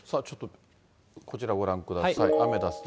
さあ、ちょっと、こちらご覧ください。